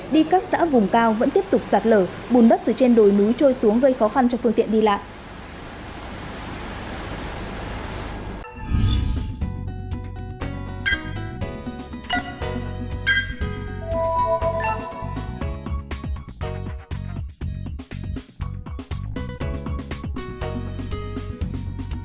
đi các xã vùng cao vẫn tiếp tục sạt lở bùn bất từ trên đồi núi trôi xuống gây khó khăn cho phương tiện đi lại